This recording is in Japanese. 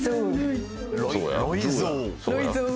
「ロイゾウ」。